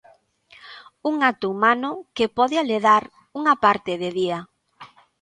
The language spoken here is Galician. Un acto humano que pode aledar unha parte de día.